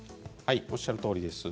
おっしゃるとおりです。